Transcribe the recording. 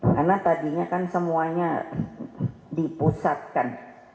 karena tadinya kan semuanya dipusatkan